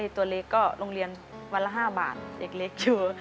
ตัวเล็กก็โรงเรียนวันละ๕บาทเด็กเล็กเจอ